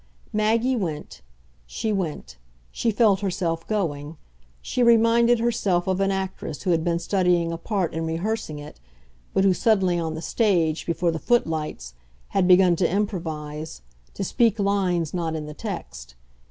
Maggie went, she went she felt herself going; she reminded herself of an actress who had been studying a part and rehearsing it, but who suddenly, on the stage, before the footlights, had begun to improvise, to speak lines not in the text.